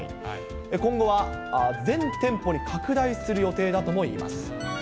今後は全店舗に拡大する予定だともいいます。